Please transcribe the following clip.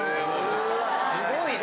すごいね。